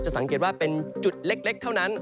สังเกตว่าเป็นจุดเล็กเท่านั้น